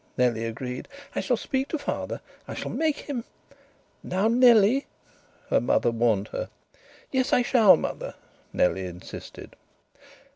Nellie agreed. "I shall speak to father. I shall make him " "Now, Nellie " her mother warned her. "Yes, I shall, mother," Nellie insisted.